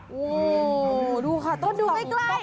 โหดูก็ดูไม่ใกล้